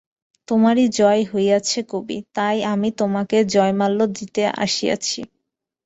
তোমারই জয় হইয়াছে, কবি, তাই আমি আজ তোমাকে জয়মাল্য দিতে আসিয়াছি।